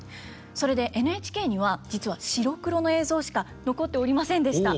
それでＮＨＫには実は白黒の映像しか残っておりませんでした。